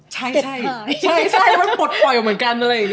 ใช่ใช่มันปลดปล่อยออกเหมือนกันเลย